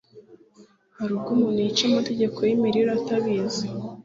harubwo umuntu yica amategeko yimirire atabizi